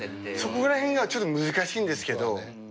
そこら辺がちょっと難しいんですけど。